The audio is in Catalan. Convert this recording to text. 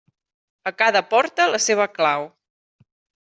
A cada porta, la seva clau.